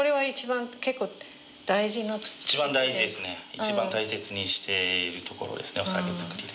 一番大切にしているところですねお酒造りで。